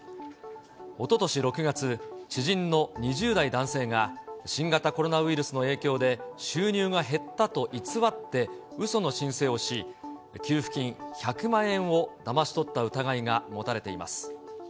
おととし６月、知人の２０代男性が新型コロナウイルスの影響で収入が減ったと偽って、うその申請をし、給付金１００万円をだまし取った疑いが持たれています。